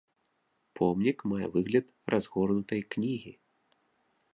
Помнік мае выгляд разгорнутай кнігі.